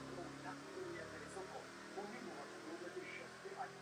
Žili spolu téměř dva roky.